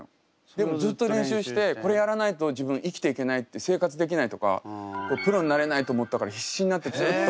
でもずっと練習してこれやらないと自分生きていけないって生活できないとかプロになれないと思ったから必死になってずっと。